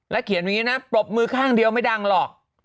แล้วเขียนแบบนี้นะปรบมือข้างเดียวไม่ดังหรอก